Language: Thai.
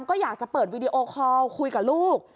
ก็อยากจะเปิดวีดีโอคอลคุยกับลูก